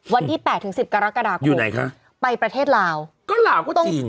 วันที่๘๑๐กรกดาคมอยู่ไหนคะไปประเทศลาวก็ลาวก็จริง